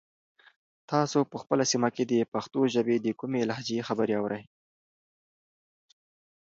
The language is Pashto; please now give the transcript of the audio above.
تاسو په خپله سیمه کې د پښتو ژبې د کومې لهجې خبرې اورئ؟